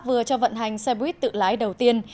vừa cho vận hành xe buýt tự lái đầu tiên